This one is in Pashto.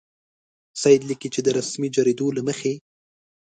سید لیکي چې د رسمي جریدو له مخې.